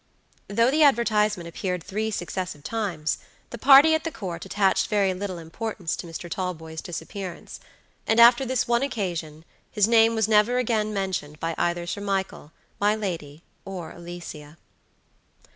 Though the advertisement appeared three successive times, the party at the Court attached very little importance to Mr. Talboys' disappearance; and after this one occasion his name was never again mentioned by either Sir Michael, my lady, or Alicia.